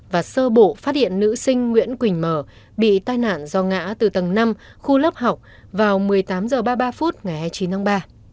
và sơ bộ phát hiện nữ sinh nguyễn quỳnh mờ bị tai nạn do ngã từ tầng năm khu lớp học vào một mươi tám h ba mươi ba phút ngày hai mươi chín tháng ba